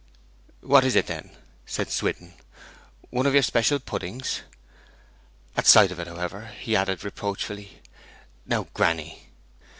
'What is it, then?' said Swithin. 'Oh, one of your special puddings.' At sight of it, however, he added reproachfully, 'Now, granny!'